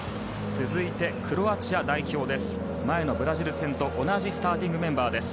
続いて、クロアチア代表です。